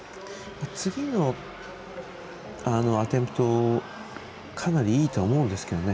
次のアテンプトかなりいいとは思うんですけどね。